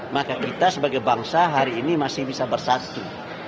maka kita sebagai bangsa hari ini masih bisa bersatu